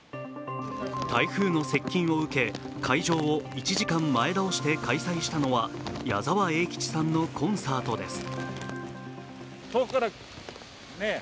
台風の接近を受け、開場を１時間前倒して開催したのは矢沢永吉さんのコンサートです。